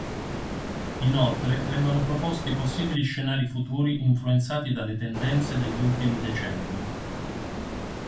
Inoltre vengono proposti possibili scenari futuri influenzati dalle tendenze degli ultimi decenni.